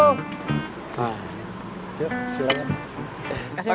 hah ya silahkan